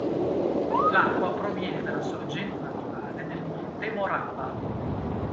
L’acqua proviene dalla sorgente naturale del monte Morava.